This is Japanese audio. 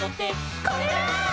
「これだー！」